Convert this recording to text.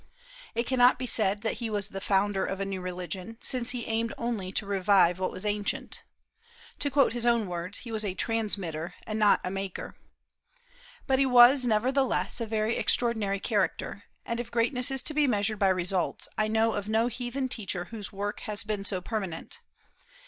It cannot be said that he was the founder of a new religion, since he aimed only to revive what was ancient. To quote his own words, he was "a transmitter, and not a maker." But he was, nevertheless, a very extraordinary character; and if greatness is to be measured by results, I know of no heathen teacher whose work has been so permanent.